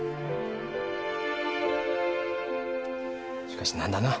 しかし何だな。